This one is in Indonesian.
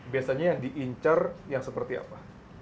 biasanya yang diincar yang seperti apa